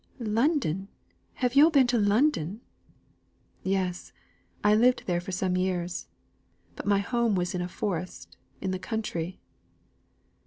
"London! Have yo' been in London?" "Yes! I lived there for some years. But my home was in a forest; in the country."